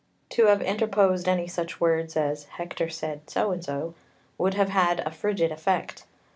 To have interposed any such words as "Hector said so and so" would have had a frigid effect.